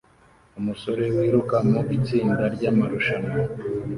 Umusore wiruka mu itsinda ryamarushanwa